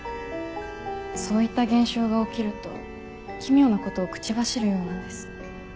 そういった現象が起きると奇妙なことを口走るようなんです。